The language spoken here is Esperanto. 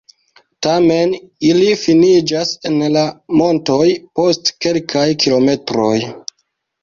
Tamen ili finiĝas en la montoj post kelkaj kilometroj.